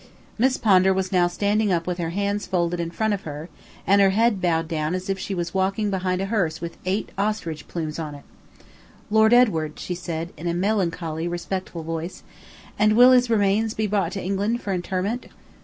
Miss Pondar was now standing up with her hands folded in front of her, and her head bowed down as if she was walking behind a hearse with eight ostrich plumes on it. "Lord Edward," she said, in a melancholy, respectful voice, "and will his remains be brought to England for interment?"